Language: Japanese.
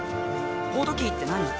ポートキーって何？